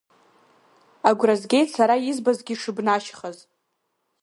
Агәра згеит сара избазгьы шыбнашьхаз.